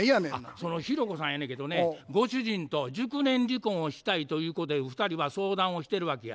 その弘子さんやねんけどねご主人と熟年離婚をしたいということで２人は相談をしてるわけや。